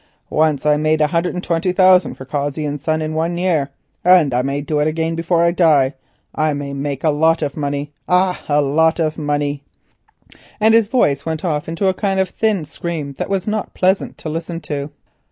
Once I made a hundred and twenty thousand for Cossey's in one year; and I may do it again before I die. I may make a lot of money yet, ah, a lot of money!" and his voice went off into a thin scream that was not pleasant to listen to.